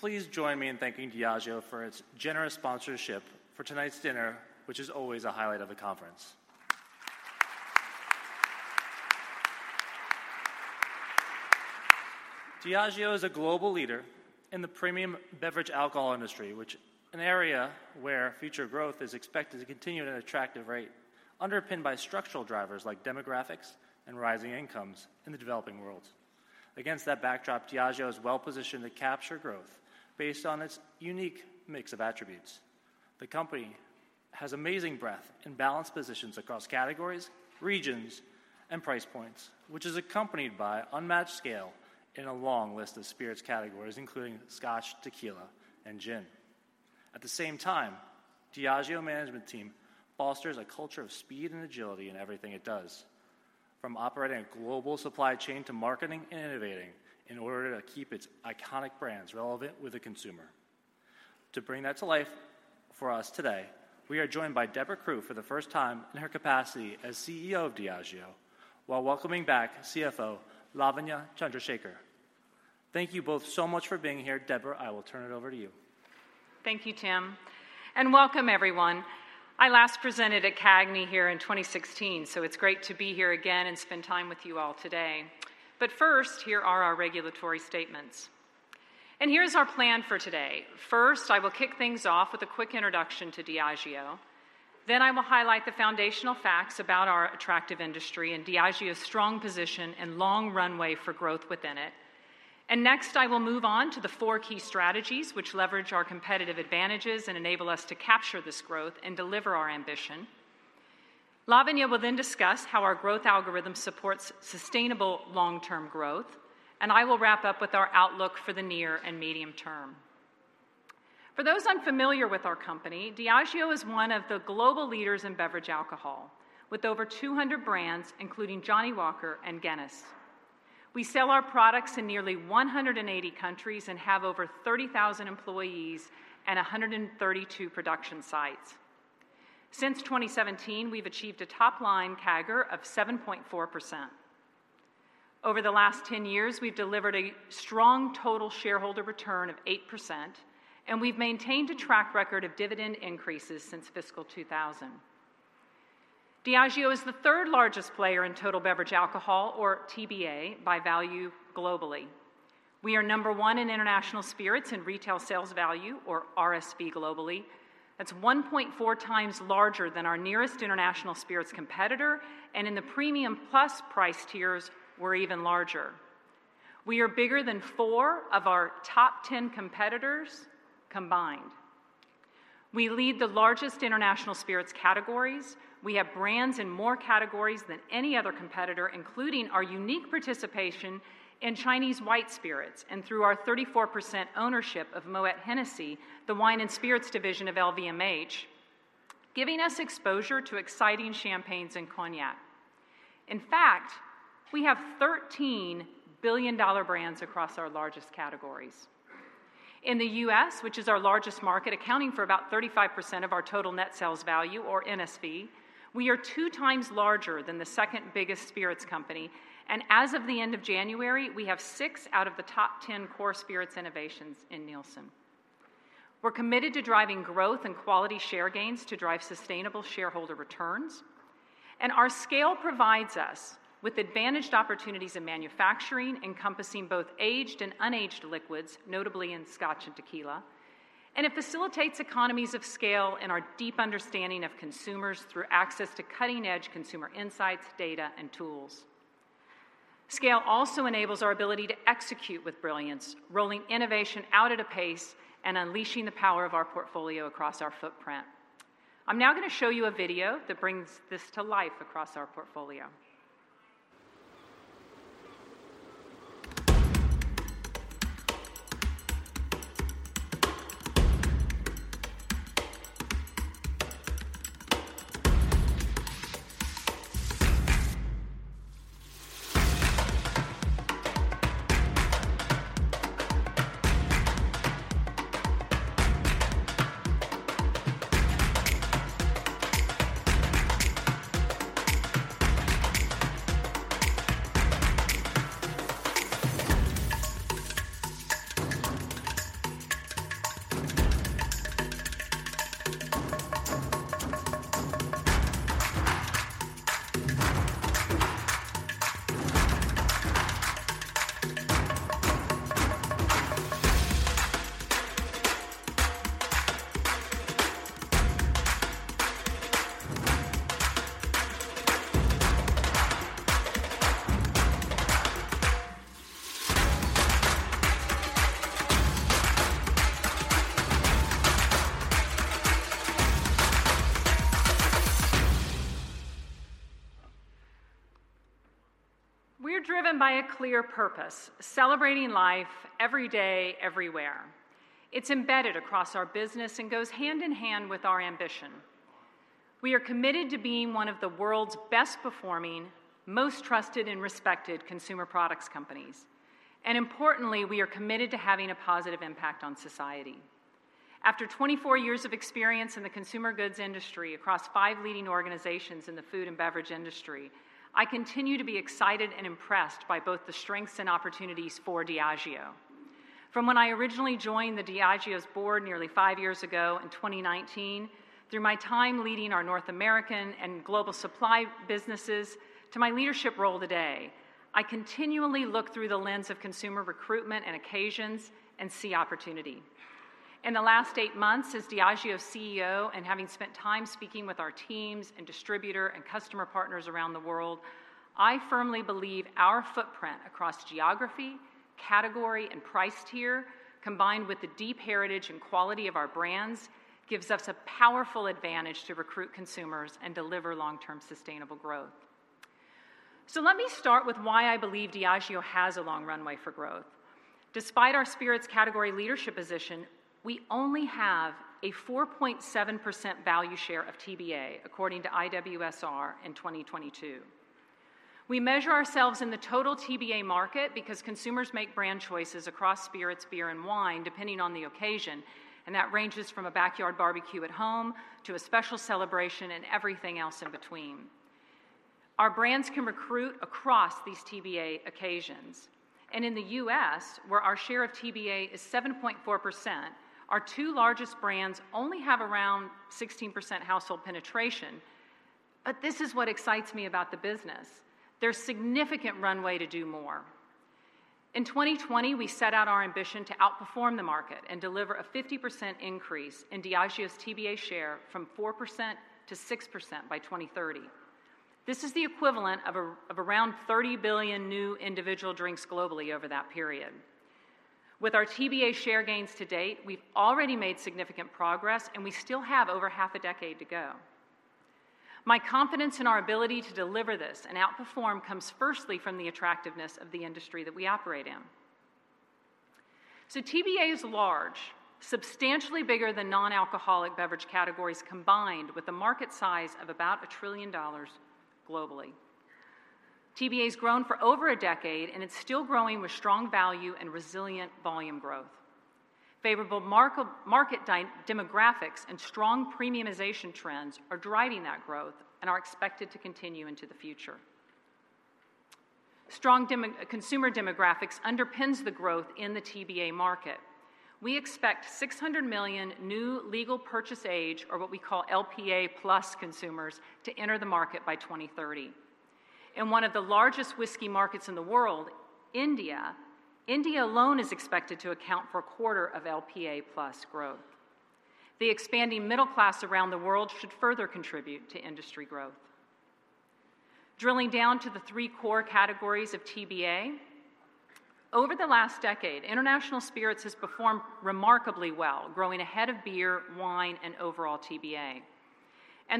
Please join me in thanking Diageo for its generous sponsorship for tonight's dinner, which is always a highlight of the conference. Diageo is a global leader in the premium beverage alcohol industry, which is an area where future growth is expected to continue at an attractive rate, underpinned by structural drivers like demographics and rising incomes in the developing worlds. Against that backdrop, Diageo is well-positioned to capture growth based on its unique mix of attributes. The company has amazing breadth and balanced positions across categories, regions, and price points, which is accompanied by unmatched scale in a long list of spirits categories, including Scotch, tequila, and gin. At the same time, Diageo management team fosters a culture of speed and agility in everything it does, from operating a global supply chain to marketing and innovating in order to keep its iconic brands relevant with the consumer. To bring that to life for us today, we are joined by Debra Crew for the first time in her capacity as CEO of Diageo, while welcoming back CFO Lavanya Chandrashekar. Thank you both so much for being here. Debra, I will turn it over to you. Thank you, Tim, and welcome everyone. I last presented at CAGNY here in 2016, so it's great to be here again and spend time with you all today. But first, here are our regulatory statements. And here's our plan for today. First, I will kick things off with a quick introduction to Diageo. Then I will highlight the foundational facts about our attractive industry and Diageo's strong position and long runway for growth within it. And next, I will move on to the four key strategies which leverage our competitive advantages and enable us to capture this growth and deliver our ambition. Lavanya will then discuss how our growth algorithm supports sustainable long-term growth, and I will wrap up with our outlook for the near and medium term. For those unfamiliar with our company, Diageo is one of the global leaders in beverage alcohol, with over 200 brands, including Johnnie Walker and Guinness. We sell our products in nearly 180 countries and have over 30,000 employees and 132 production sites. Since 2017, we've achieved a top-line CAGR of 7.4%. Over the last 10 years, we've delivered a strong total shareholder return of 8%, and we've maintained a track record of dividend increases since fiscal 2000. Diageo is the third largest player in total beverage alcohol, or TBA, by value globally. We are number one in international spirits and retail sales value, or RSV, globally. That's 1.4 times larger than our nearest international spirits competitor, and in the premium plus price tiers, we're even larger. We are bigger than 4 of our top 10 competitors combined. We lead the largest international spirits categories. We have brands in more categories than any other competitor, including our unique participation in Chinese white spirits, and through our 34% ownership of Moët Hennessy, the wine and spirits division of LVMH, giving us exposure to exciting champagnes and cognac. In fact, we have 13 billion-dollar brands across our largest categories. In the U.S., which is our largest market, accounting for about 35% of our total net sales value, or NSV, we are 2 times larger than the second biggest spirits company, and as of the end of January, we have 6 out of the top 10 core spirits innovations in Nielsen. We're committed to driving growth and quality share gains to drive sustainable shareholder returns, and our scale provides us with advantaged opportunities in manufacturing, encompassing both aged and unaged liquids, notably in Scotch and tequila. It facilitates economies of scale and our deep understanding of consumers through access to cutting-edge consumer insights, data, and tools. Scale also enables our ability to execute with brilliance, rolling innovation out at a pace and unleashing the power of our portfolio across our footprint. I'm now gonna show you a video that brings this to life across our portfolio. We're driven by a clear purpose: celebrating life every day, everywhere. It's embedded across our business and goes hand in hand with our ambition. We are committed to being one of the world's best performing, most trusted, and respected consumer products companies, and importantly, we are committed to having a positive impact on society.... After 24 years of experience in the consumer goods industry across five leading organizations in the food and beverage industry, I continue to be excited and impressed by both the strengths and opportunities for Diageo. From when I originally joined the Diageo's board nearly five years ago in 2019, through my time leading our North American and global supply businesses, to my leadership role today, I continually look through the lens of consumer recruitment and occasions, and see opportunity. In the last eight months as Diageo CEO, and having spent time speaking with our teams and distributor and customer partners around the world, I firmly believe our footprint across geography, category, and price tier, combined with the deep heritage and quality of our brands, gives us a powerful advantage to recruit consumers and deliver long-term sustainable growth. So let me start with why I believe Diageo has a long runway for growth. Despite our spirits category leadership position, we only have a 4.7% value share of TBA, according to IWSR in 2022. We measure ourselves in the total TBA market because consumers make brand choices across spirits, beer, and wine, depending on the occasion, and that ranges from a backyard barbecue at home to a special celebration and everything else in between. Our brands can recruit across these TBA occasions, and in the U.S., where our share of TBA is 7.4%, our two largest brands only have around 16% household penetration. But this is what excites me about the business. There's significant runway to do more. In 2020, we set out our ambition to outperform the market and deliver a 50% increase in Diageo's TBA share from 4% to 6% by 2030. This is the equivalent of around 30 billion new individual drinks globally over that period. With our TBA share gains to date, we've already made significant progress, and we still have over half a decade to go. My confidence in our ability to deliver this and outperform comes firstly from the attractiveness of the industry that we operate in. So TBA is large, substantially bigger than non-alcoholic beverage categories, combined with a market size of about $1 trillion globally. TBA has grown for over a decade, and it's still growing with strong value and resilient volume growth. Favorable market demographics and strong premiumization trends are driving that growth and are expected to continue into the future. Strong consumer demographics underpins the growth in the TBA market. We expect 600 million new legal purchase age, or what we call LPA+, consumers to enter the market by 2030. In one of the largest whiskey markets in the world, India, India alone is expected to account for a quarter of LPA+ growth. The expanding middle class around the world should further contribute to industry growth. Drilling down to the three core categories of TBA, over the last decade, international spirits has performed remarkably well, growing ahead of beer, wine, and overall TBA.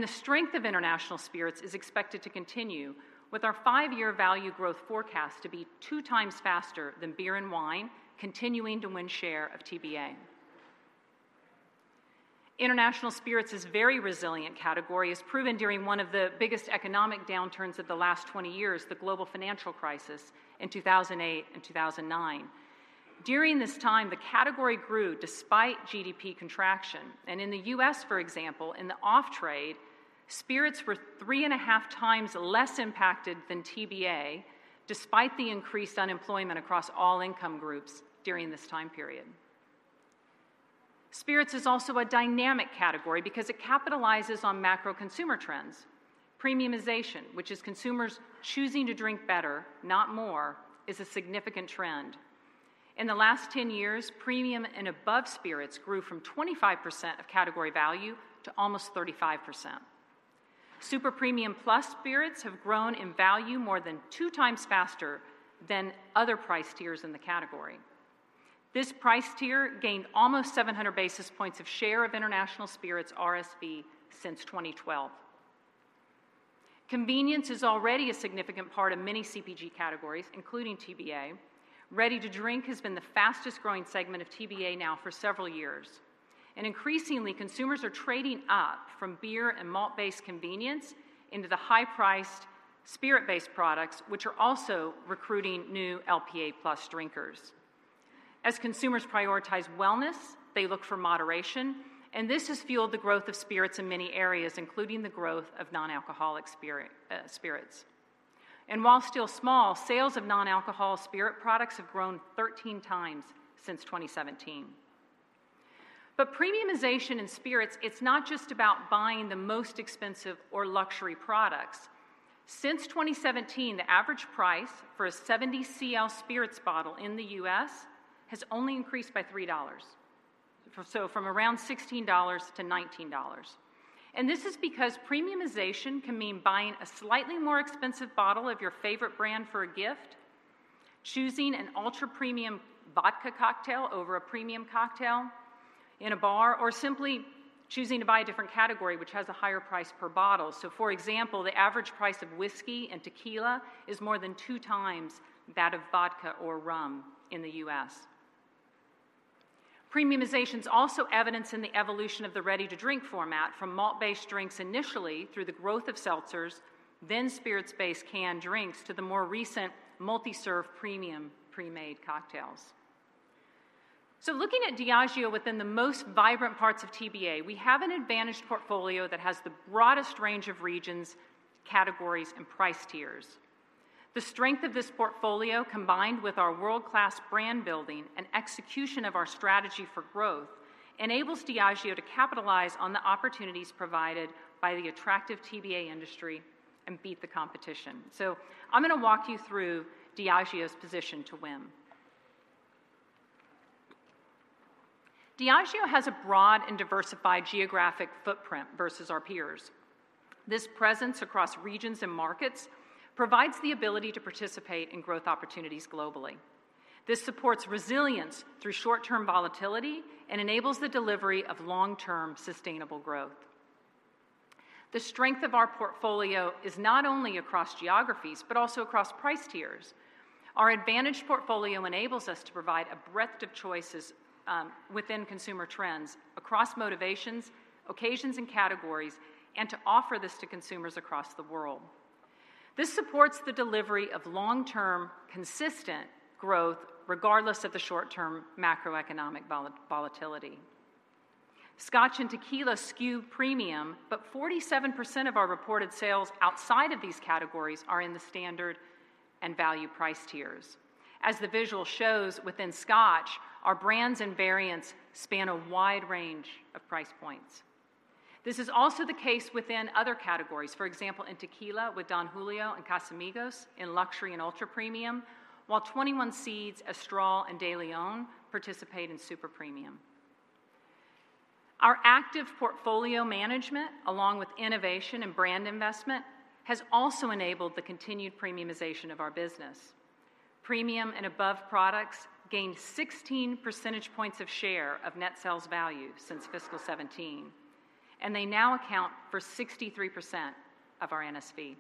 The strength of international spirits is expected to continue, with our 5-year value growth forecast to be 2 times faster than beer and wine, continuing to win share of TBA. International Spirits is very resilient category, as proven during one of the biggest economic downturns of the last 20 years, the global financial crisis in 2008 and 2009. During this time, the category grew despite GDP contraction, and in the U.S., for example, in the off-trade, spirits were 3.5 times less impacted than TBA, despite the increased unemployment across all income groups during this time period. Spirits is also a dynamic category because it capitalizes on macro consumer trends. Premiumization, which is consumers choosing to drink better, not more, is a significant trend. In the last 10 years, premium and above spirits grew from 25% of category value to almost 35%. Super premium plus spirits have grown in value more than 2 times faster than other price tiers in the category. This price tier gained almost 700 basis points of share of international spirits RSV since 2012. Convenience is already a significant part of many CPG categories, including TBA. Ready-to-drink has been the fastest growing segment of TBA now for several years, and increasingly, consumers are trading up from beer and malt-based convenience into the high-priced spirit-based products, which are also recruiting new LPA+ drinkers. As consumers prioritize wellness, they look for moderation, and this has fueled the growth of spirits in many areas, including the growth of non-alcoholic spirit, spirits. And while still small, sales of non-alcohol spirit products have grown 13 times since 2017. But premiumization in spirits, it's not just about buying the most expensive or luxury products. Since 2017, the average price for a 70 cl spirits bottle in the U.S. has only increased by $3. From around $16 to $19. This is because premiumization can mean buying a slightly more expensive bottle of your favorite brand for a gift, choosing an ultra-premium vodka cocktail over a premium cocktail in a bar, or simply choosing to buy a different category, which has a higher price per bottle. For example, the average price of whiskey and tequila is more than two times that of vodka or rum in the U.S. Premiumization is also evident in the evolution of the ready-to-drink format, from malt-based drinks initially, through the growth of seltzers, then spirits-based canned drinks, to the more recent multi-serve premium pre-made cocktails.... Looking at Diageo within the most vibrant parts of TBA, we have an advantaged portfolio that has the broadest range of regions, categories, and price tiers. The strength of this portfolio, combined with our world-class brand building and execution of our strategy for growth, enables Diageo to capitalize on the opportunities provided by the attractive TBA industry and beat the competition. So I'm gonna walk you through Diageo's position to win. Diageo has a broad and diversified geographic footprint versus our peers. This presence across regions and markets provides the ability to participate in growth opportunities globally. This supports resilience through short-term volatility and enables the delivery of long-term sustainable growth. The strength of our portfolio is not only across geographies, but also across price tiers. Our advantaged portfolio enables us to provide a breadth of choices, within consumer trends, across motivations, occasions, and categories, and to offer this to consumers across the world. This supports the delivery of long-term, consistent growth, regardless of the short-term macroeconomic volatility. Scotch and tequila skew premium, but 47% of our reported sales outside of these categories are in the standard and value price tiers. As the visual shows, within Scotch, our brands and variants span a wide range of price points. This is also the case within other categories. For example, in tequila, with Don Julio and Casamigos, in luxury and ultra-premium, while 21Seeds, Astral, and DeLeón participate in super premium. Our active portfolio management, along with innovation and brand investment, has also enabled the continued premiumization of our business. Premium and above products gained 16 percentage points of share of net sales value since fiscal 2017, and they now account for 63% of our NSV.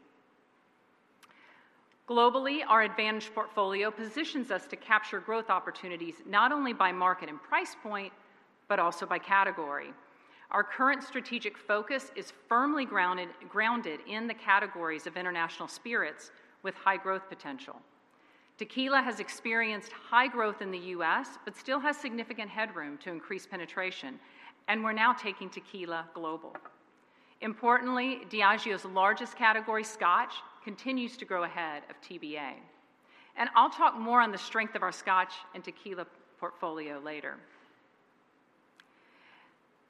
Globally, our advantaged portfolio positions us to capture growth opportunities, not only by market and price point, but also by category. Our current strategic focus is firmly grounded in the categories of international spirits with high growth potential. Tequila has experienced high growth in the U.S., but still has significant headroom to increase penetration, and we're now taking tequila global. Importantly, Diageo's largest category, Scotch, continues to grow ahead of TBA. I'll talk more on the strength of our Scotch and tequila portfolio later.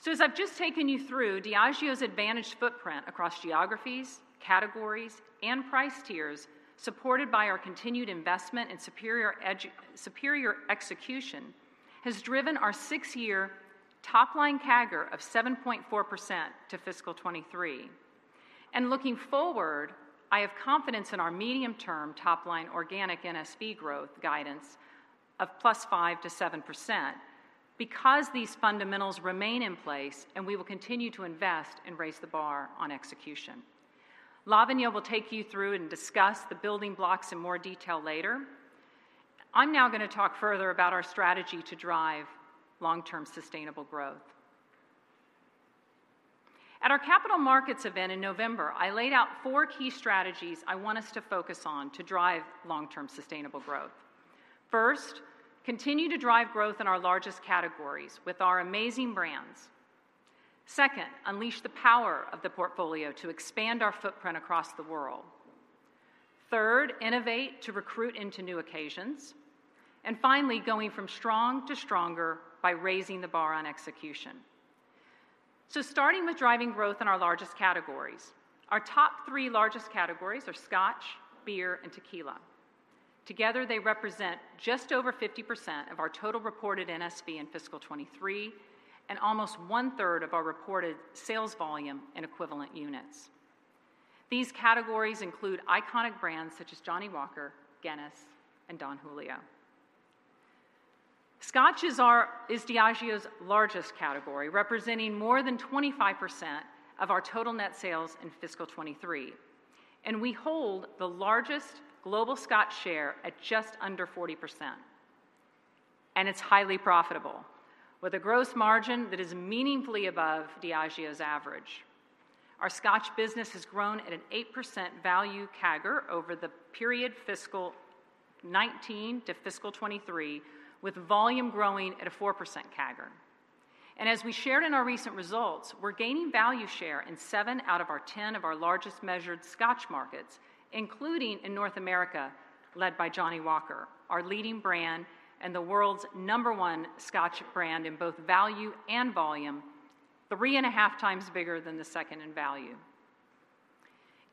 As I've just taken you through, Diageo's advantaged footprint across geographies, categories, and price tiers, supported by our continued investment and superior execution, has driven our six-year top-line CAGR of 7.4% to fiscal 2023. Looking forward, I have confidence in our medium-term top-line organic NSV growth guidance of +5%-7% because these fundamentals remain in place, and we will continue to invest and raise the bar on execution. Lavanya will take you through and discuss the building blocks in more detail later. I'm now gonna talk further about our strategy to drive long-term sustainable growth. At our capital markets event in November, I laid out four key strategies I want us to focus on to drive long-term sustainable growth. First, continue to drive growth in our largest categories with our amazing brands. Second, unleash the power of the portfolio to expand our footprint across the world. Third, innovate to recruit into new occasions. And finally, going from strong to stronger by raising the bar on execution. So starting with driving growth in our largest categories, our top three largest categories are Scotch, beer, and tequila. Together, they represent just over 50% of our total reported NSV in fiscal 2023 and almost one-third of our reported sales volume in equivalent units. These categories include iconic brands such as Johnnie Walker, Guinness, and Don Julio. Scotch is Diageo's largest category, representing more than 25% of our total net sales in fiscal 2023, and we hold the largest global Scotch share at just under 40%, and it's highly profitable, with a gross margin that is meaningfully above Diageo's average. Our Scotch business has grown at an 8% value CAGR over the period fiscal 2019 to fiscal 2023, with volume growing at a 4% CAGR. And as we shared in our recent results, we're gaining value share in 7 out of our 10 largest measured Scotch markets, including in North America, led by Johnnie Walker, our leading brand and the world's number one Scotch brand in both value and volume, 3.5 times bigger than the second in value.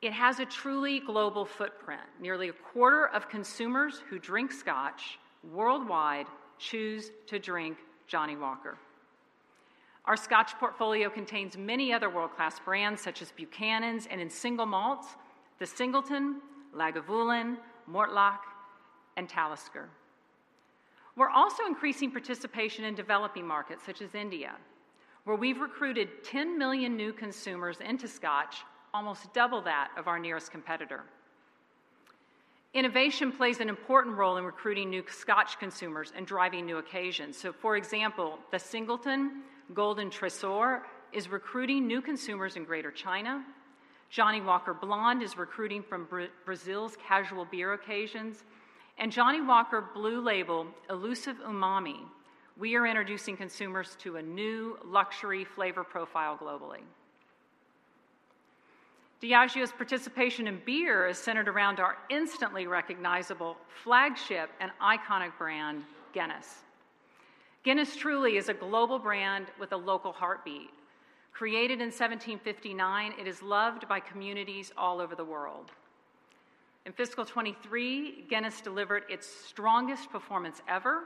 It has a truly global footprint. Nearly a quarter of consumers who drink Scotch worldwide choose to drink Johnnie Walker. Our Scotch portfolio contains many other world-class brands, such as Buchanan's, and in single malts, The Singleton, Lagavulin, Mortlach, and Talisker. We're also increasing participation in developing markets such as India, where we've recruited 10 million new consumers into Scotch, almost double that of our nearest competitor. Innovation plays an important role in recruiting new Scotch consumers and driving new occasions. So for example, The Singleton Golden Treasures is recruiting new consumers in Greater China. Johnnie Walker Blonde is recruiting from Brazil's casual beer occasions, and Johnnie Walker Blue Label Elusive Umami, we are introducing consumers to a new luxury flavor profile globally. Diageo's participation in beer is centered around our instantly recognizable flagship and iconic brand, Guinness. Guinness truly is a global brand with a local heartbeat. Created in 1759, it is loved by communities all over the world. In fiscal 2023, Guinness delivered its strongest performance ever,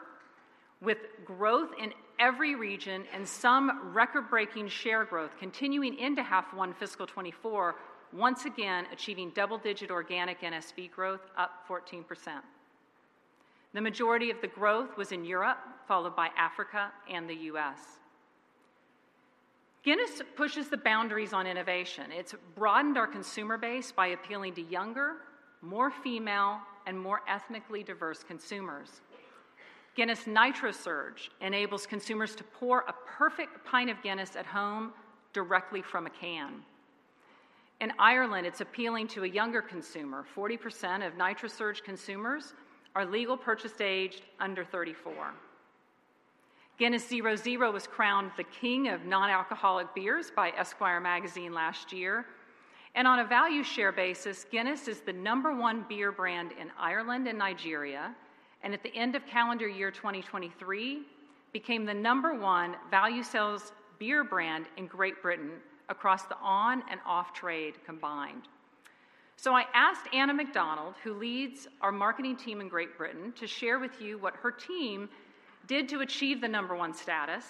with growth in every region and some record-breaking share growth, continuing into half one fiscal 2024, once again achieving double-digit organic NSV growth, up 14%. The majority of the growth was in Europe, followed by Africa and the U.S. Guinness pushes the boundaries on innovation. It's broadened our consumer base by appealing to younger, more female, and more ethnically diverse consumers. Guinness Nitrosurge enables consumers to pour a perfect pint of Guinness at home directly from a can. In Ireland, it's appealing to a younger consumer. 40% of Nitrosurge consumers are legal purchase aged under 34. Guinness 0.0 was crowned the King of Non-Alcoholic Beers by Esquire Magazine last year. On a value share basis, Guinness is the number one beer brand in Ireland and Nigeria, and at the end of calendar year 2023, became the number one value sales beer brand in Great Britain across the on and off trade combined. I asked Anna MacDonald, who leads our marketing team in Great Britain, to share with you what her team did to achieve the number one status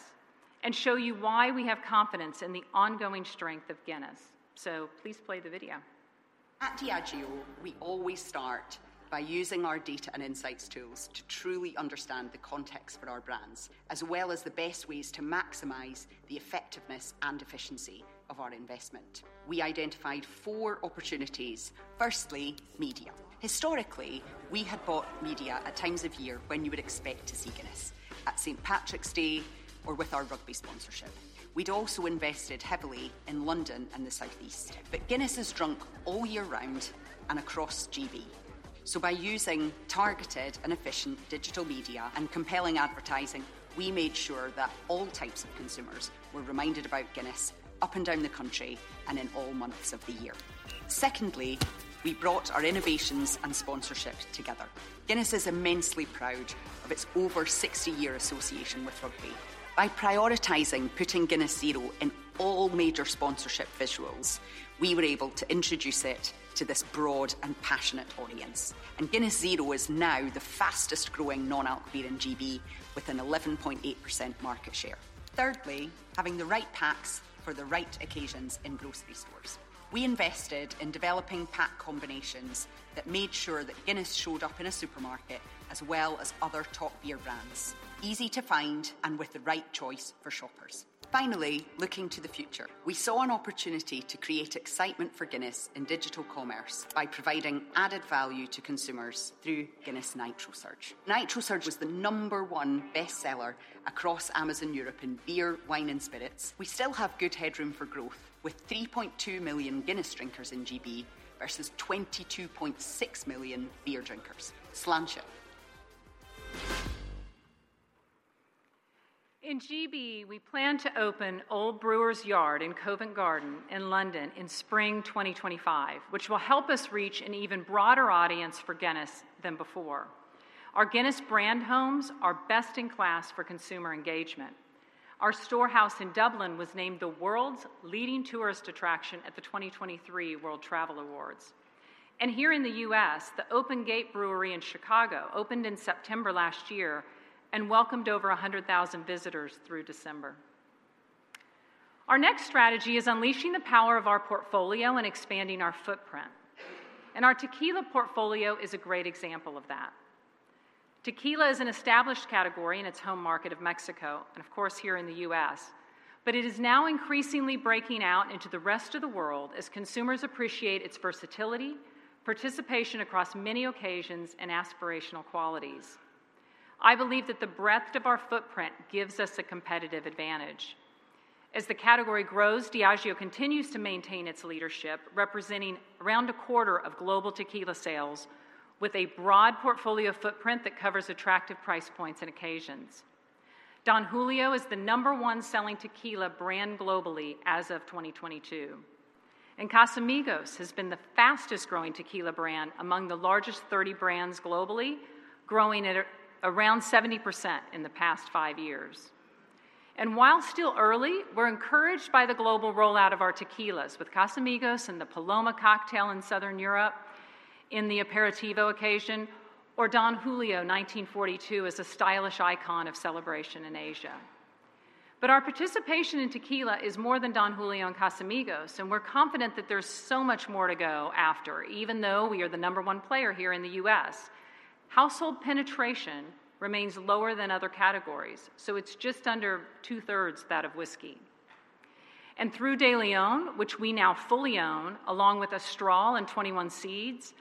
and show you why we have confidence in the ongoing strength of Guinness. Please play the video. At Diageo, we always start by using our data and insights tools to truly understand the context for our brands, as well as the best ways to maximize the effectiveness and efficiency of our investment. We identified 4 opportunities. Firstly, media. Historically, we had bought media at times of year when you would expect to see Guinness, at St. Patrick's Day or with our rugby sponsorship. We'd also invested heavily in London and the Southeast. But Guinness is drunk all year round and across GB. So by using targeted and efficient digital media and compelling advertising, we made sure that all types of consumers were reminded about Guinness up and down the country and in all months of the year. Secondly, we brought our innovations and sponsorship together. Guinness is immensely proud of its over 60-year association with rugby. By prioritizing putting Guinness Zero in all major sponsorship visuals, we were able to introduce it to this broad and passionate audience. Guinness Zero is now the fastest-growing non-alcoholic beer in GB, with an 11.8% market share. Thirdly, having the right packs for the right occasions in grocery stores. We invested in developing pack combinations that made sure that Guinness showed up in a supermarket, as well as other top beer brands, easy to find and with the right choice for shoppers. Finally, looking to the future, we saw an opportunity to create excitement for Guinness in digital commerce by providing added value to consumers through Guinness Nitrosurge. Nitrosurge was the number one bestseller across Amazon Europe in beer, wine, and spirits. We still have good headroom for growth, with 3.2 million Guinness drinkers in GB versus 22.6 million beer drinkers. Sláinte! In GB, we plan to open Old Brewer's Yard in Covent Garden in London in spring 2025, which will help us reach an even broader audience for Guinness than before. Our Guinness brand homes are best in class for consumer engagement. Our Storehouse in Dublin was named the world's leading tourist attraction at the 2023 World Travel Awards. Here in the U.S., the Open Gate Brewery in Chicago opened in September last year and welcomed over 100,000 visitors through December. Our next strategy is unleashing the power of our portfolio and expanding our footprint, and our tequila portfolio is a great example of that. Tequila is an established category in its home market of Mexico, and of course, here in the U.S., but it is now increasingly breaking out into the rest of the world as consumers appreciate its versatility, participation across many occasions, and aspirational qualities. I believe that the breadth of our footprint gives us a competitive advantage. As the category grows, Diageo continues to maintain its leadership, representing around a quarter of global tequila sales, with a broad portfolio footprint that covers attractive price points and occasions. Don Julio is the number one selling tequila brand globally as of 2022, and Casamigos has been the fastest-growing tequila brand among the largest 30 brands globally, growing at around 70% in the past 5 years. While still early, we're encouraged by the global rollout of our tequilas with Casamigos and the Paloma cocktail in Southern Europe, in the Aperitivo occasion, or Don Julio 1942 as a stylish icon of celebration in Asia. But our participation in tequila is more than Don Julio and Casamigos, and we're confident that there's so much more to go after, even though we are the number one player here in the U.S. Household penetration remains lower than other categories, so it's just under two-thirds that of whiskey. And through DeLeón, which we now fully own, along with Astral and 21Seeds,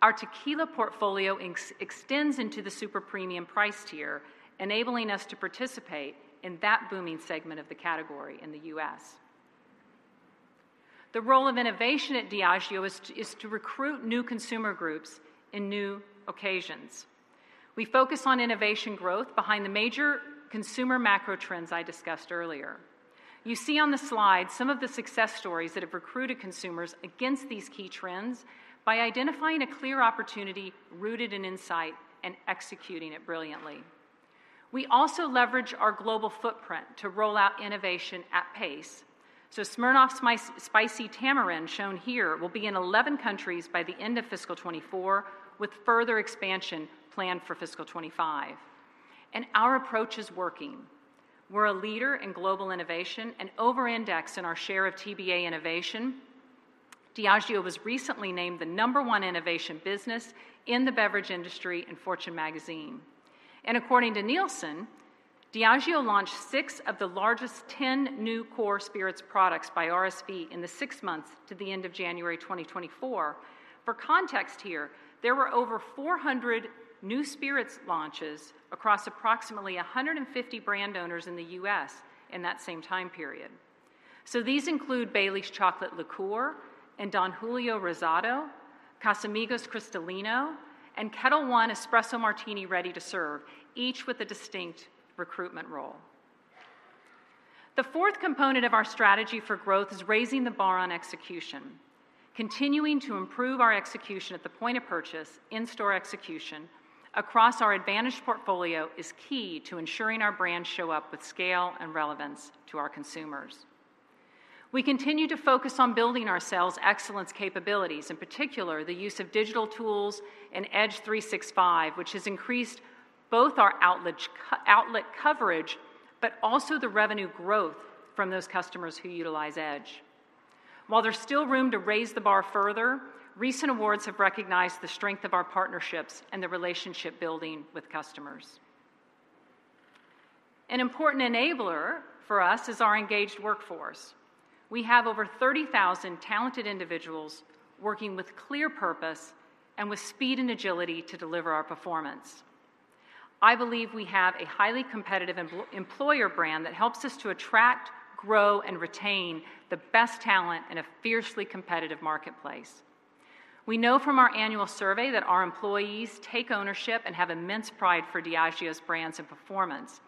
our tequila portfolio now extends into the super-premium price tier, enabling us to participate in that booming segment of the category in the U.S. The role of innovation at Diageo is to recruit new consumer groups in new occasions. We focus on innovation growth behind the major consumer macro trends I discussed earlier. You see on the slide some of the success stories that have recruited consumers against these key trends by identifying a clear opportunity rooted in insight and executing it brilliantly. We also leverage our global footprint to roll out innovation at pace. So Smirnoff's Spicy Tamarind, shown here, will be in 11 countries by the end of fiscal 2024, with further expansion planned for fiscal 2025. And our approach is working. We're a leader in global innovation and over-indexed in our share of TBA innovation. Diageo was recently named the number one innovation business in the beverage industry in Fortune magazine. And according to Nielsen, Diageo launched six of the largest 10 new core spirits products by RSV in the six months to the end of January 2024. For context here, there were over 400 new spirits launches across approximately 150 brand owners in the U.S. in that same time period. So these include Baileys Chocolate Liqueur and Don Julio Rosado, Casamigos Cristalino, and Ketel One Espresso Martini Ready to Serve, each with a distinct recruitment role. The fourth component of our strategy for growth is raising the bar on execution. Continuing to improve our execution at the point of purchase, in-store execution, across our advantaged portfolio is key to ensuring our brands show up with scale and relevance to our consumers. We continue to focus on building our sales excellence capabilities, in particular, the use of digital tools and EDGE365, which has increased both our outlet coverage, but also the revenue growth from those customers who utilize Edge. While there's still room to raise the bar further, recent awards have recognized the strength of our partnerships and the relationship building with customers. An important enabler for us is our engaged workforce. We have over 30,000 talented individuals working with clear purpose and with speed and agility to deliver our performance. I believe we have a highly competitive employer brand that helps us to attract, grow, and retain the best talent in a fiercely competitive marketplace. We know from our annual survey that our employees take ownership and have immense pride for Diageo's brands and performance.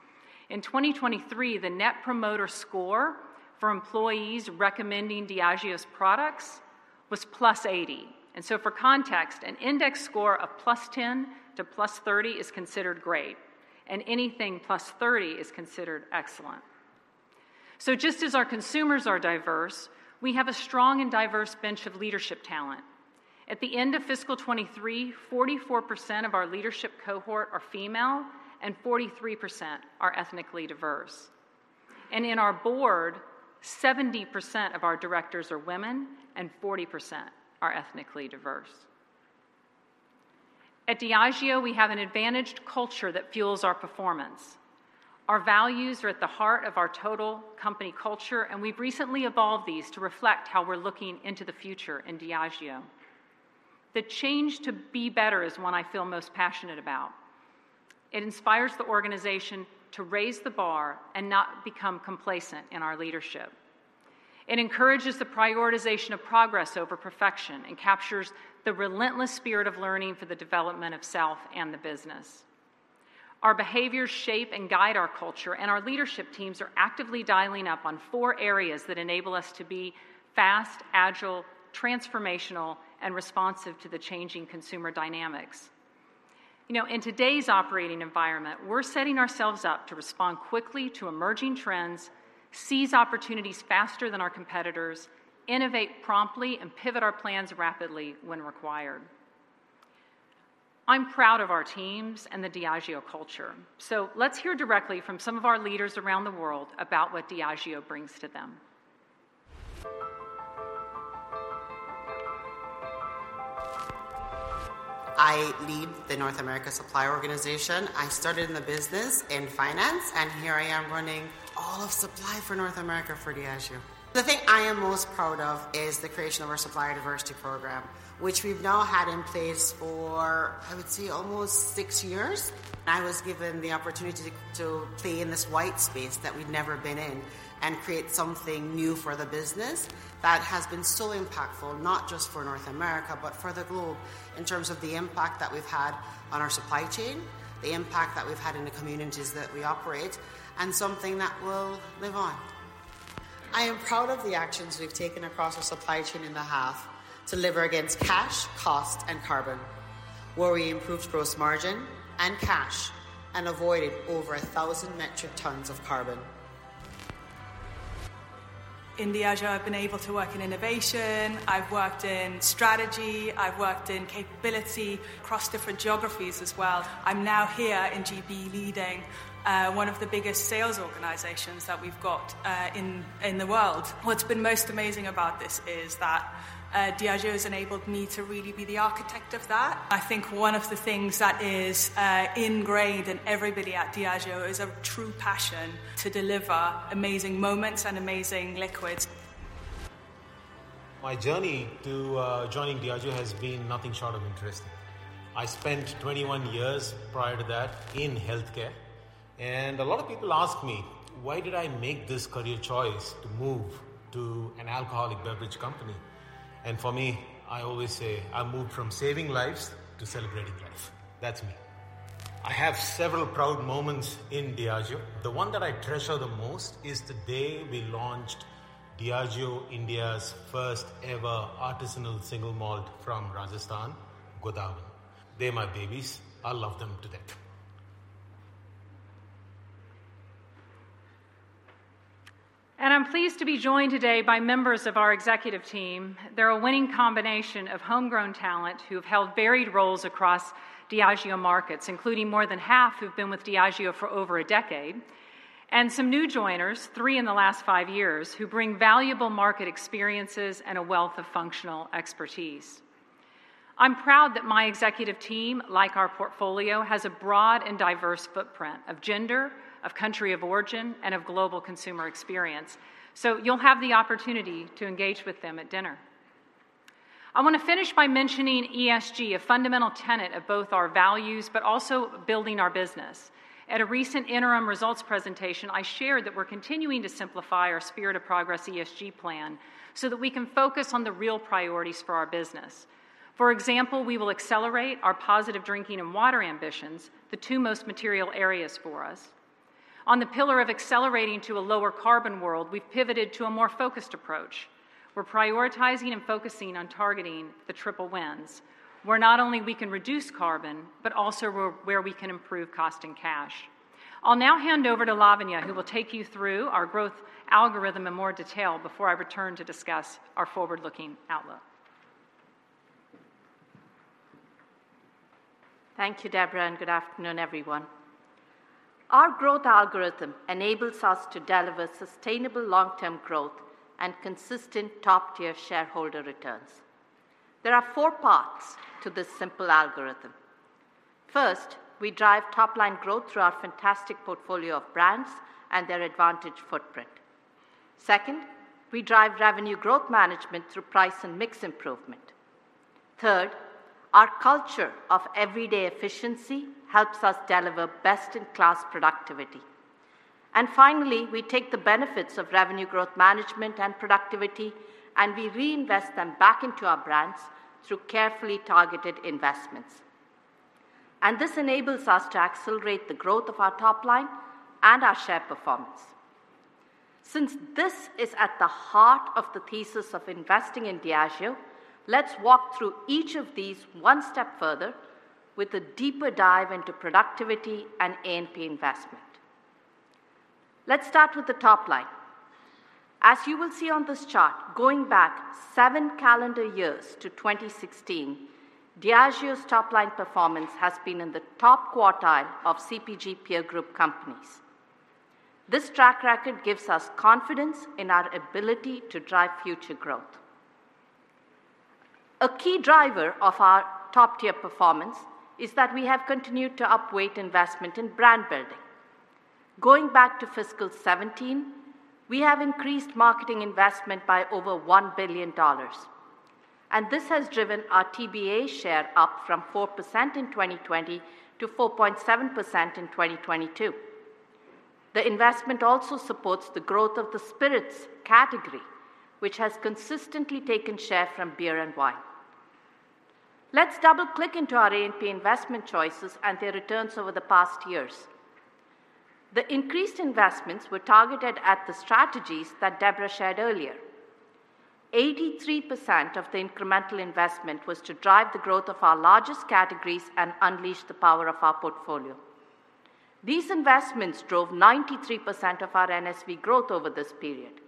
In 2023, the net promoter score for employees recommending Diageo's products was +80. And so for context, an index score of +10 to +30 is considered great, and anything +30 is considered excellent. Just as our consumers are diverse, we have a strong and diverse bench of leadership talent. At the end of fiscal 2023, 44% of our leadership cohort are female, and 43% are ethnically diverse. In our board, 70% of our directors are women, and 40% are ethnically diverse. At Diageo, we have an advantaged culture that fuels our performance. Our values are at the heart of our total company culture, and we've recently evolved these to reflect how we're looking into the future in Diageo. The change to be better is one I feel most passionate about. It inspires the organization to raise the bar and not become complacent in our leadership. It encourages the prioritization of progress over perfection and captures the relentless spirit of learning for the development of self and the business. Our behaviors shape and guide our culture, and our leadership teams are actively dialing up on four areas that enable us to be fast, agile, transformational, and responsive to the changing consumer dynamics. You know, in today's operating environment, we're setting ourselves up to respond quickly to emerging trends, seize opportunities faster than our competitors, innovate promptly, and pivot our plans rapidly when required. I'm proud of our teams and the Diageo culture. So let's hear directly from some of our leaders around the world about what Diageo brings to them. I lead the North America Supply Organization. I started in the business in finance, and here I am running all of supply for North America for Diageo. The thing I am most proud of is the creation of our supplier diversity program, which we've now had in place for, I would say, almost six years. I was given the opportunity to play in this white space that we've never been in and create something new for the business that has been so impactful, not just for North America, but for the globe, in terms of the impact that we've had on our supply chain, the impact that we've had in the communities that we operate, and something that will live on. I am proud of the actions we've taken across our supply chain in the half to deliver against cash, cost, and carbon, where we improved gross margin and cash and avoided over 1,000 metric tons of carbon. In Diageo, I've been able to work in innovation, I've worked in strategy, I've worked in capability across different geographies as well. I'm now here in GB, leading one of the biggest sales organizations that we've got in the world. What's been most amazing about this is that Diageo has enabled me to really be the architect of that. I think one of the things that is ingrained in everybody at Diageo is a true passion to deliver amazing moments and amazing liquids. My journey to joining Diageo has been nothing short of interesting. I spent 21 years prior to that in healthcare. And a lot of people ask me, why did I make this career choice to move to an alcoholic beverage company? And for me, I always say, "I moved from saving lives to celebrating life." That's me. I have several proud moments in Diageo. The one that I treasure the most is the day we launched Diageo India's first ever artisanal single malt from Rajasthan, Godawan. They're my babies. I love them to death. I'm pleased to be joined today by members of our executive team. They're a winning combination of homegrown talent who have held varied roles across Diageo markets, including more than half who've been with Diageo for over a decade, and some new joiners, 3 in the last 5 years, who bring valuable market experiences and a wealth of functional expertise. I'm proud that my executive team, like our portfolio, has a broad and diverse footprint of gender, of country of origin, and of global consumer experience. So you'll have the opportunity to engage with them at dinner. I wanna finish by mentioning ESG, a fundamental tenet of both our values, but also building our business. At a recent interim results presentation, I shared that we're continuing to simplify our Spirit of Progress ESG plan, so that we can focus on the real priorities for our business. For example, we will accelerate our positive drinking and water ambitions, the two most material areas for us. On the pillar of accelerating to a lower carbon world, we've pivoted to a more focused approach. We're prioritizing and focusing on targeting the Triple Wins, where not only we can reduce carbon, but also where we can improve cost and cash. I'll now hand over to Lavanya, who will take you through our growth algorithm in more detail before I return to discuss our forward-looking outlook. Thank you, Debra, and good afternoon, everyone. Our growth algorithm enables us to deliver sustainable long-term growth and consistent top-tier shareholder returns. There are four parts to this simple algorithm. First, we drive top-line growth through our fantastic portfolio of brands and their advantage footprint. Second, we drive revenue growth management through price and mix improvement. Third, our culture of everyday efficiency helps us deliver best-in-class productivity. And finally, we take the benefits of revenue growth management and productivity, and we reinvest them back into our brands through carefully targeted investments. And this enables us to accelerate the growth of our top line and our share performance. Since this is at the heart of the thesis of investing in Diageo, let's walk through each of these one step further with a deeper dive into productivity and A&P investment. Let's start with the top line. As you will see on this chart, going back 7 calendar years to 2016, Diageo's top-line performance has been in the top quartile of CPG peer group companies. This track record gives us confidence in our ability to drive future growth. A key driver of our top-tier performance is that we have continued to upweight investment in brand building. Going back to fiscal 2017, we have increased marketing investment by over $1 billion, and this has driven our TBA share up from 4% in 2020 to 4.7% in 2022. The investment also supports the growth of the spirits category, which has consistently taken share from beer and wine. Let's double-click into our A&P investment choices and their returns over the past years. The increased investments were targeted at the strategies that Debra shared earlier. 83% of the incremental investment was to drive the growth of our largest categories and unleash the power of our portfolio. These investments drove 93% of our NSV growth over this period.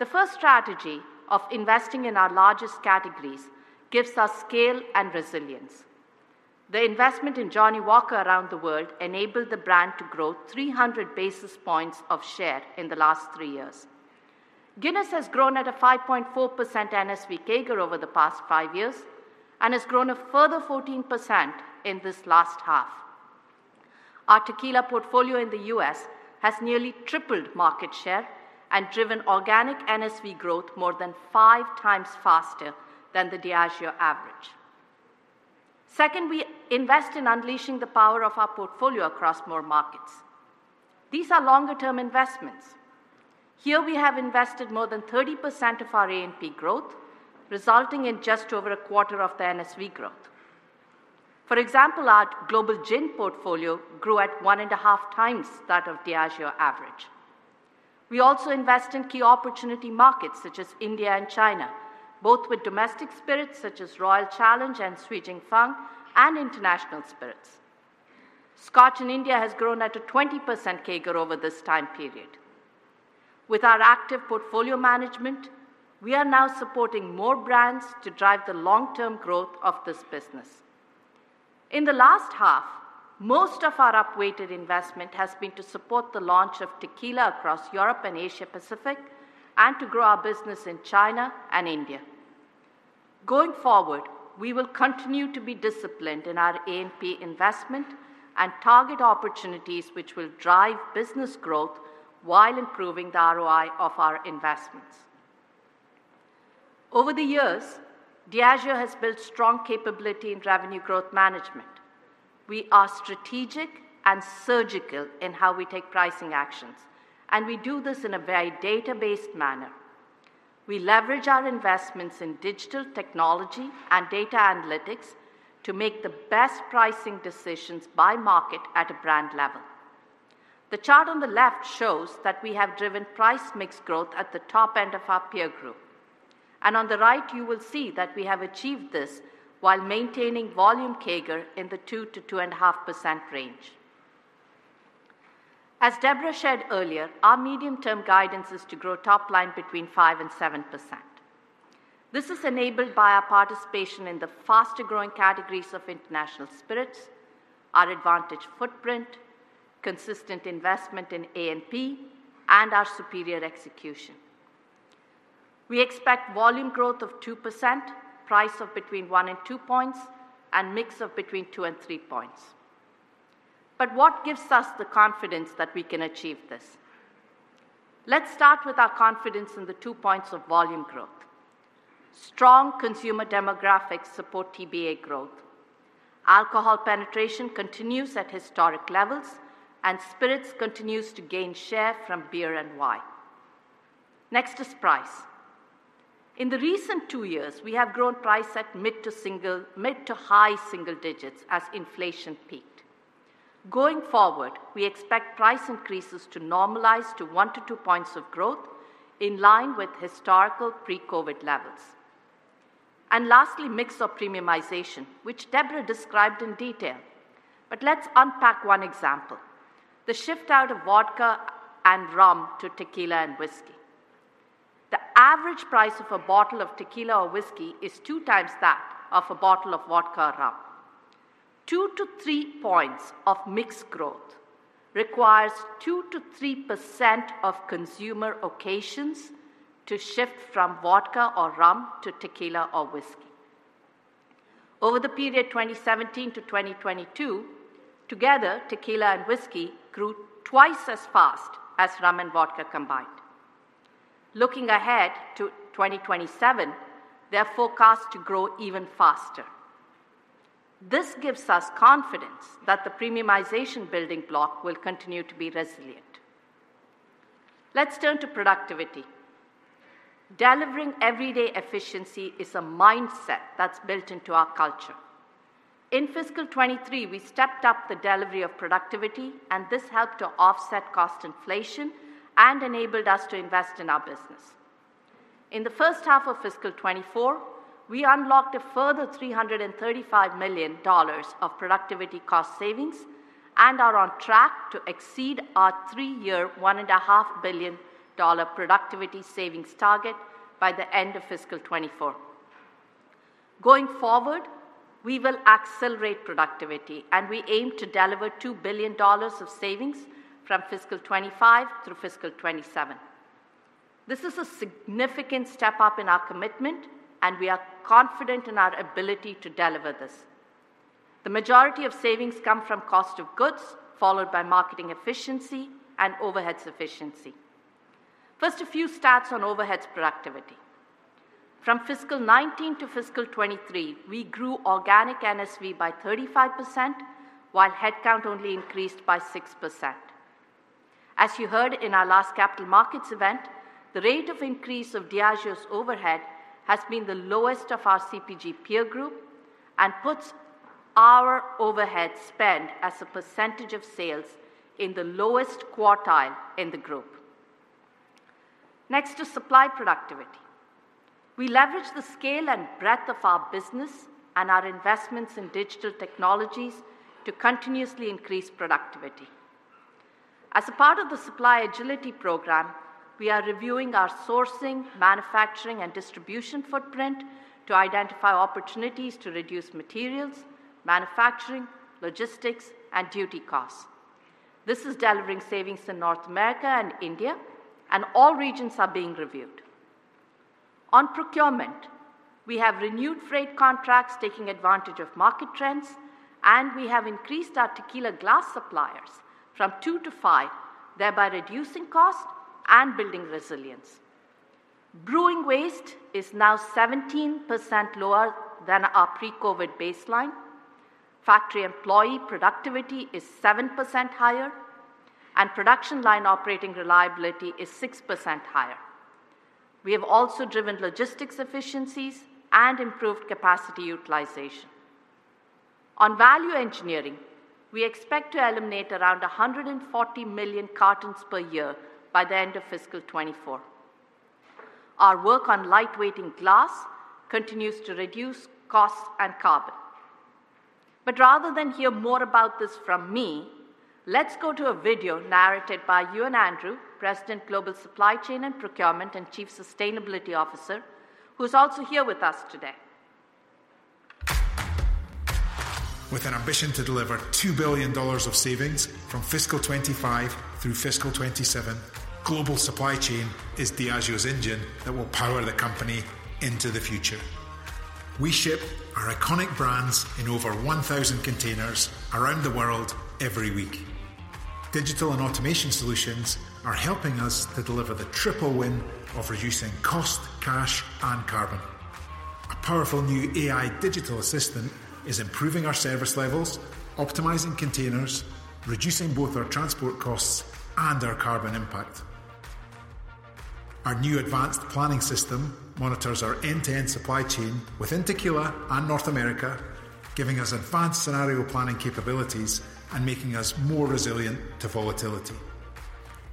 The first strategy of investing in our largest categories gives us scale and resilience. The investment in Johnnie Walker around the world enabled the brand to grow 300 basis points of share in the last three years. Guinness has grown at a 5.4% NSV CAGR over the past five years and has grown a further 14% in this last half. Our tequila portfolio in the U.S. has nearly tripled market share and driven organic NSV growth more than five times faster than the Diageo average. Second, we invest in unleashing the power of our portfolio across more markets. These are longer-term investments. Here, we have invested more than 30% of our A&P growth, resulting in just over a quarter of the NSV growth. For example, our global gin portfolio grew at 1.5 times that of Diageo average. We also invest in key opportunity markets, such as India and China, both with domestic spirits, such as Royal Challenge and Shui Jing Fang, and international spirits. Scotch in India has grown at a 20% CAGR over this time period. With our active portfolio management, we are now supporting more brands to drive the long-term growth of this business. In the last half, most of our upweighted investment has been to support the launch of tequila across Europe and Asia Pacific, and to grow our business in China and India. Going forward, we will continue to be disciplined in our A&P investment and target opportunities which will drive business growth while improving the ROI of our investments. Over the years, Diageo has built strong capability in revenue growth management. We are strategic and surgical in how we take pricing actions, and we do this in a very data-based manner. We leverage our investments in digital technology and data analytics to make the best pricing decisions by market at a brand level. The chart on the left shows that we have driven price mix growth at the top end of our peer group, and on the right, you will see that we have achieved this while maintaining volume CAGR in the 2%-2.5% range. As Debra shared earlier, our medium-term guidance is to grow top line between 5%-7%. This is enabled by our participation in the faster-growing categories of international spirits, our advantage footprint, consistent investment in A&P, and our superior execution. We expect volume growth of 2%, price of between 1 and 2 points, and mix of between 2 and 3 points. But what gives us the confidence that we can achieve this? Let's start with our confidence in the 2 points of volume growth. Strong consumer demographics support TBA growth. Alcohol penetration continues at historic levels, and spirits continues to gain share from beer and wine. Next is price. In the recent 2 years, we have grown price at mid- to single- mid- to high-single digits as inflation peaked. Going forward, we expect price increases to normalize to 1-2 points of growth in line with historical pre-COVID levels. And lastly, mix of premiumization, which Debra described in detail. But let's unpack one example, the shift out of vodka and rum to tequila and whiskey. The average price of a bottle of tequila or whiskey is two times that of a bottle of vodka or rum. Two to three points of mix growth requires 2%-3% of consumer occasions to shift from vodka or rum to tequila or whiskey. Over the period 2017-2022, together, tequila and whiskey grew twice as fast as rum and vodka combined. Looking ahead to 2027, they are forecast to grow even faster. This gives us confidence that the premiumization building block will continue to be resilient. Let's turn to productivity. Delivering everyday efficiency is a mindset that's built into our culture. In fiscal 2023, we stepped up the delivery of productivity, and this helped to offset cost inflation and enabled us to invest in our business. In the first half of fiscal 2024, we unlocked a further $335 million of productivity cost savings and are on track to exceed our three-year, $1.5 billion productivity savings target by the end of fiscal 2024. Going forward, we will accelerate productivity, and we aim to deliver $2 billion of savings from fiscal 2025 through fiscal 2027. This is a significant step up in our commitment, and we are confident in our ability to deliver this. The majority of savings come from cost of goods, followed by marketing efficiency and overheads efficiency. First, a few stats on overheads productivity. From fiscal 2019 to fiscal 2023, we grew organic NSV by 35%, while headcount only increased by 6%. As you heard in our last capital markets event, the rate of increase of Diageo's overhead has been the lowest of our CPG peer group and puts our overhead spend as a percentage of sales in the lowest quartile in the group. Next is supply productivity. We leverage the scale and breadth of our business and our investments in digital technologies to continuously increase productivity. As a part of the Supply Agility Program, we are reviewing our sourcing, manufacturing, and distribution footprint to identify opportunities to reduce materials, manufacturing, logistics, and duty costs. This is delivering savings in North America and India, and all regions are being reviewed. On procurement, we have renewed freight contracts, taking advantage of market trends, and we have increased our tequila glass suppliers from 2 to 5, thereby reducing cost and building resilience. Brewing waste is now 17% lower than our pre-COVID baseline. Factory employee productivity is 7% higher, and production line operating reliability is 6% higher. We have also driven logistics efficiencies and improved capacity utilization. On value engineering, we expect to eliminate around 140 million cartons per year by the end of fiscal 2024. Our work on lightweighting glass continues to reduce cost and carbon. But rather than hear more about this from me, let's go to a video narrated by Ewan Andrew, President, Global Supply Chain and Procurement, and Chief Sustainability Officer, who is also here with us today. With an ambition to deliver $2 billion of savings from fiscal 2025 through fiscal 2027, global supply chain is Diageo's engine that will power the company into the future. We ship our iconic brands in over 1,000 containers around the world every week. Digital and automation solutions are helping us to deliver the Triple Win of reducing cost, cash, and carbon. A powerful new AI digital assistant is improving our service levels, optimizing containers, reducing both our transport costs and our carbon impact. Our new advanced planning system monitors our end-to-end supply chain within tequila and North America, giving us advanced scenario planning capabilities and making us more resilient to volatility.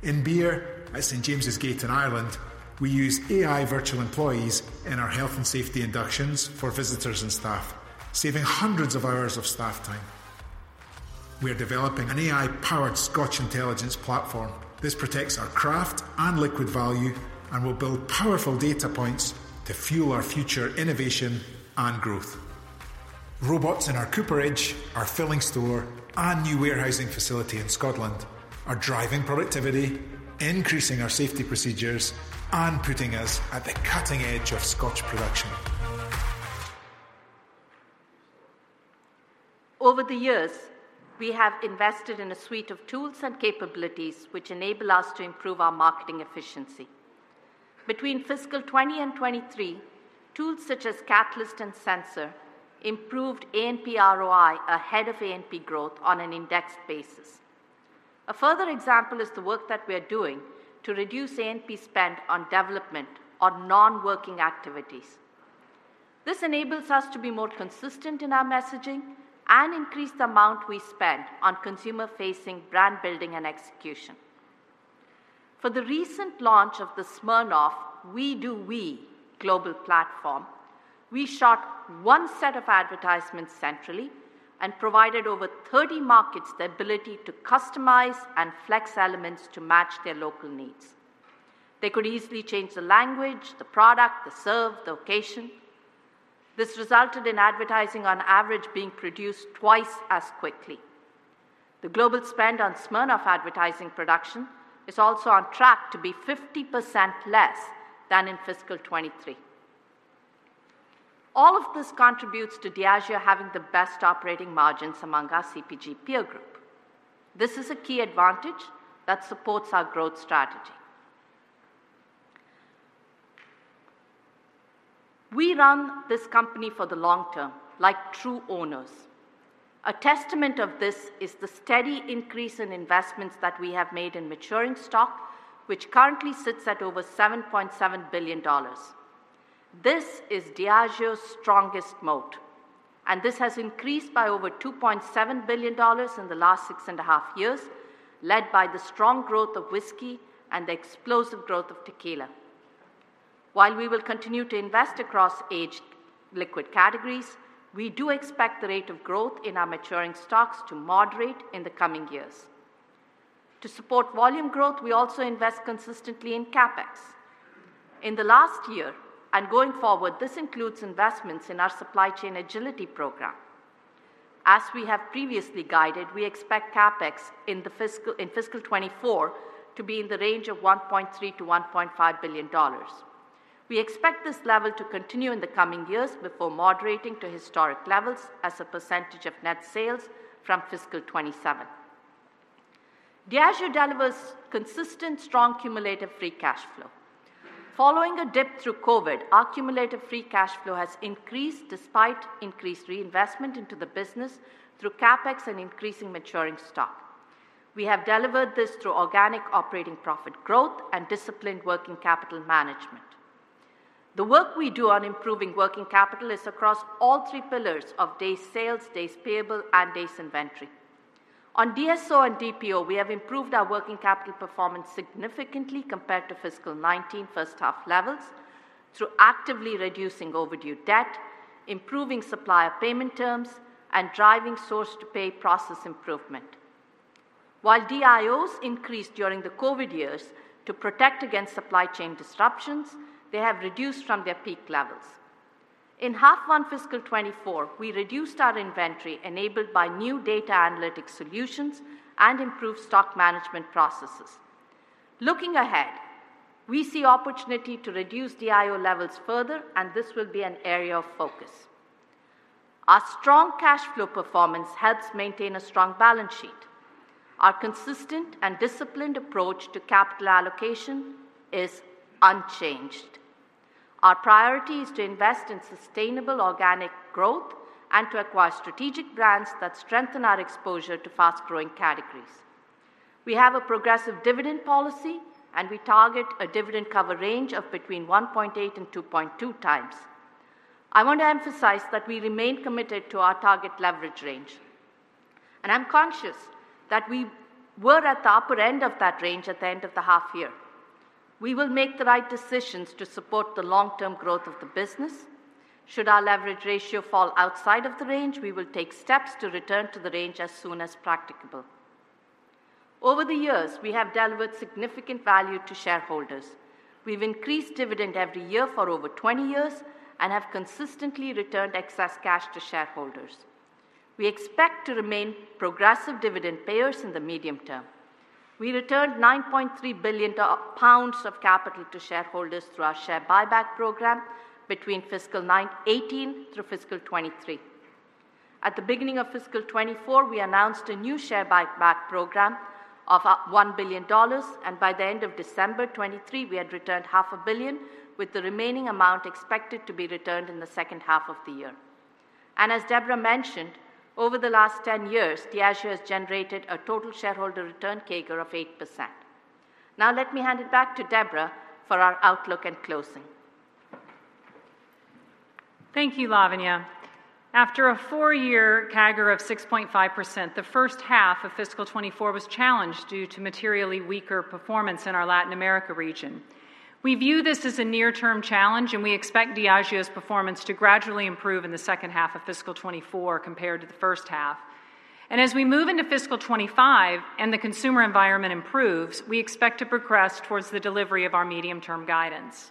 In beer, at St. James's Gate in Ireland, we use AI virtual employees in our health and safety inductions for visitors and staff, saving hundreds of hours of staff time. We are developing an AI-powered Scotch intelligence platform. This protects our craft and liquid value and will build powerful data points to fuel our future innovation and growth. Robots in our cooperage, our filling store, and new warehousing facility in Scotland are driving productivity, increasing our safety procedures, and putting us at the cutting edge of Scotch production. Over the years, we have invested in a suite of tools and capabilities which enable us to improve our marketing efficiency. Between fiscal 2020 and 2023, tools such as Catalyst and Sensor improved A&P ROI ahead of A&P growth on an indexed basis. A further example is the work that we are doing to reduce A&P spend on development on non-working activities. This enables us to be more consistent in our messaging and increase the amount we spend on consumer-facing brand building and execution. For the recent launch of the Smirnoff We Do We global platform, we shot 1 set of advertisements centrally and provided over 30 markets the ability to customize and flex elements to match their local needs. They could easily change the language, the product, the serve, the location. This resulted in advertising, on average, being produced twice as quickly. The global spend on Smirnoff advertising production is also on track to be 50% less than in fiscal 2023. All of this contributes to Diageo having the best operating margins among our CPG peer group. This is a key advantage that supports our growth strategy. We run this company for the long term, like true owners. A testament of this is the steady increase in investments that we have made in maturing stock, which currently sits at over $7.7 billion. This is Diageo's strongest moat, and this has increased by over $2.7 billion in the last 6.5 years, led by the strong growth of whiskey and the explosive growth of tequila. While we will continue to invest across aged liquid categories, we do expect the rate of growth in our maturing stocks to moderate in the coming years. To support volume growth, we also invest consistently in CapEx. In the last year, and going forward, this includes investments in our Supply Agility Program. As we have previously guided, we expect CapEx in fiscal 2024 to be in the range of $1.3 billion-$1.5 billion. We expect this level to continue in the coming years before moderating to historic levels as a percentage of net sales from fiscal 2027. Diageo delivers consistent, strong cumulative free cash flow. Following a dip through COVID, our cumulative free cash flow has increased despite increased reinvestment into the business through CapEx and increasing maturing stock. We have delivered this through organic operating profit growth and disciplined working capital management. The work we do on improving working capital is across all three pillars of days sales, days payable, and days inventory. On DSO and DPO, we have improved our working capital performance significantly compared to fiscal 2019 first half levels through actively reducing overdue debt, improving supplier payment terms, and driving source-to-pay process improvement. While DIOs increased during the COVID years to protect against supply chain disruptions, they have reduced from their peak levels. In half one, fiscal 2024, we reduced our inventory, enabled by new data analytics solutions and improved stock management processes. Looking ahead, we see opportunity to reduce DIO levels further, and this will be an area of focus. Our strong cash flow performance helps maintain a strong balance sheet. Our consistent and disciplined approach to capital allocation is unchanged. Our priority is to invest in sustainable organic growth and to acquire strategic brands that strengthen our exposure to fast-growing categories. We have a progressive dividend policy, and we target a dividend cover range of between 1.8 and 2.2 times. I want to emphasize that we remain committed to our target leverage range, and I'm conscious that we were at the upper end of that range at the end of the half year. We will make the right decisions to support the long-term growth of the business. Should our leverage ratio fall outside of the range, we will take steps to return to the range as soon as practicable. Over the years, we have delivered significant value to shareholders. We've increased dividend every year for over 20 years and have consistently returned excess cash to shareholders. We expect to remain progressive dividend payers in the medium term. We returned 9.3 billion pounds of capital to shareholders through our share buyback program between fiscal 2018 through fiscal 2023. At the beginning of fiscal 2024, we announced a new share buyback program of $1 billion, and by the end of December 2023, we had returned $500 million, with the remaining amount expected to be returned in the second half of the year. And as Debra mentioned, over the last 10 years, Diageo has generated a total shareholder return CAGR of 8%. Now, let me hand it back to Debra for our outlook and closing. Thank you, Lavanya. After a four-year CAGR of 6.5%, the first half of fiscal 2024 was challenged due to materially weaker performance in our Latin America region. We view this as a near-term challenge, and we expect Diageo's performance to gradually improve in the second half of fiscal 2024 compared to the first half. As we move into fiscal 2025 and the consumer environment improves, we expect to progress towards the delivery of our medium-term guidance.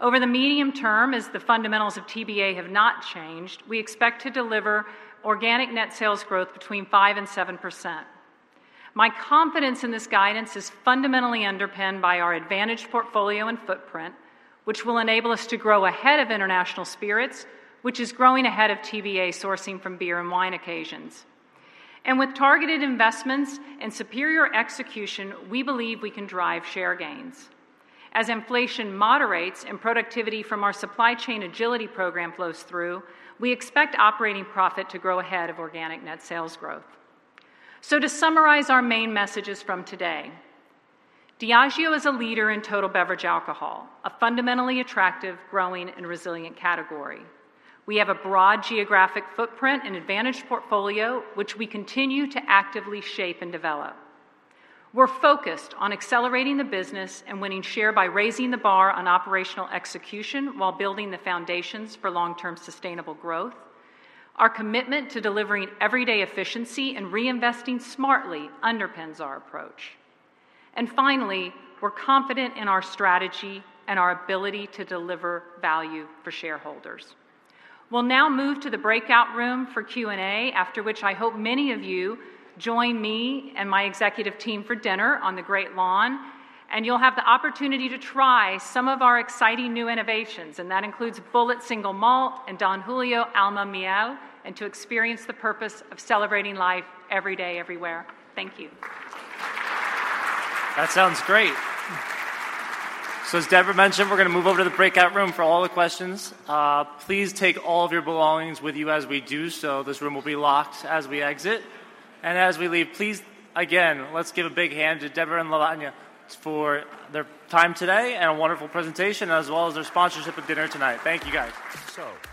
Over the medium term, as the fundamentals of TBA have not changed, we expect to deliver organic net sales growth between 5% and 7%. My confidence in this guidance is fundamentally underpinned by our advantaged portfolio and footprint, which will enable us to grow ahead of international spirits, which is growing ahead of TBA, sourcing from beer and wine occasions. With targeted investments and superior execution, we believe we can drive share gains. As inflation moderates and productivity from our Supply Agility Program flows through, we expect operating profit to grow ahead of organic net sales growth. To summarize our main messages from today, Diageo is a leader in Total Beverage Alcohol, a fundamentally attractive, growing, and resilient category. We have a broad geographic footprint and advantaged portfolio, which we continue to actively shape and develop. We're focused on accelerating the business and winning share by raising the bar on operational execution while building the foundations for long-term sustainable growth. Our commitment to delivering everyday efficiency and reinvesting smartly underpins our approach. Finally, we're confident in our strategy and our ability to deliver value for shareholders. We'll now move to the breakout room for Q&A, after which I hope many of you join me and my executive team for dinner on the Great Lawn, and you'll have the opportunity to try some of our exciting new innovations, and that includes Bulleit Single Malt and Don Julio Alma Miel, and to experience the purpose of celebrating life every day, everywhere. Thank you. That sounds great! So as Debra mentioned, we're gonna move over to the breakout room for all the questions. Please take all of your belongings with you as we do so. This room will be locked as we exit. And as we leave, please, again, let's give a big hand to Debra and Lavanya for their time today and a wonderful presentation, as well as their sponsorship of dinner tonight. Thank you, guys. So-